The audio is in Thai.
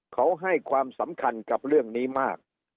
เขาให้ความสำคัญกับเรื่องนี้มาก